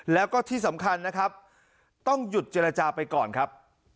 แล้วก็ที่สำคัญนะครับต้องหยุดเจรจาไปก่อนครับ